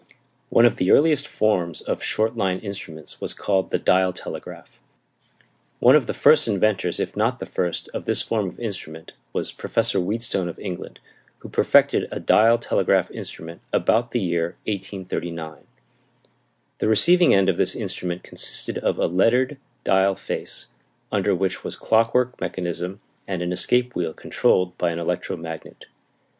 One of the earliest forms of short line instruments was called the dial telegraph. One of the first inventors, if not the first, of this form of instrument was Professor Wheatstone of England, who perfected a dial telegraph instrument about the year 1839. The receiving end of this instrument consisted of a lettered dial face, under which was clockwork mechanism and an escape wheel controlled by an electromagnet.